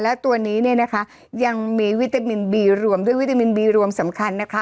แล้วตัวนี้เนี่ยนะคะยังมีวิตามินบีรวมด้วยวิตามินบีรวมสำคัญนะคะ